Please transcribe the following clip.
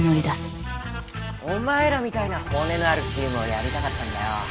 お前らみたいな骨のあるチームをやりたかったんだよ